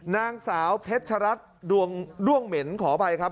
นางสาวเพชรรัฐร่วงเหม็นขอไปครับ